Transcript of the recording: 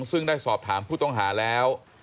ซึ่งได้สอบถามผู้ต้องหาแล้ว